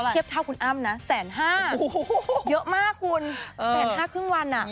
เทียบเท่าคุณอ้ำนะ๑๕๐๐เยอะมากคุณ๑๕๐๐ครึ่งวัน